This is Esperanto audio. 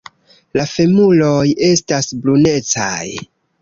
La femuroj estas brunecaj.